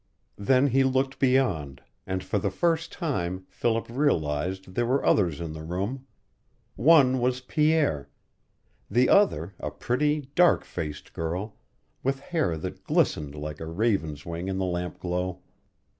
Then he looked beyond, and for the first time Philip realized there were others in the room. One was Pierre; the other a pretty, dark faced girl, with hair that glistened like a raven's wing in the lamp glow.